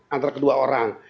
antara kedua orang